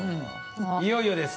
いよいよです。